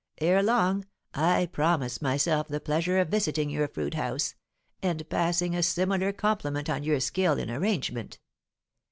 Ere long, I promise myself the pleasure of visiting your fruit house, and passing a similar compliment on your skill in arrangement.